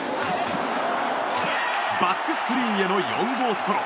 バックスクリーンへの４号ソロ。